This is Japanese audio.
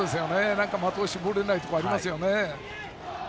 的を絞れないところがありますよね。